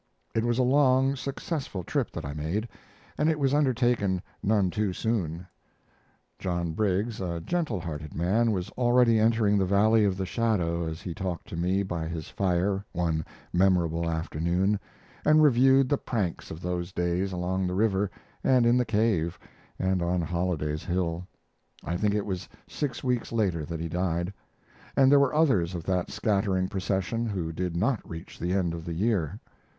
It was a long, successful trip that I made, and it was undertaken none too soon. John Briggs, a gentle hearted man, was already entering the valley of the shadow as he talked to me by his fire one memorable afternoon, and reviewed the pranks of those days along the river and in the cave and on Holliday's Hill. I think it was six weeks later that he died; and there were others of that scattering procession who did not reach the end of the year.